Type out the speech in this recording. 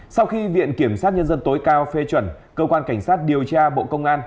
sau khi viện kiểm sát nhân dân tối cao phê chuẩn cơ quan cảnh sát điều tra bộ công an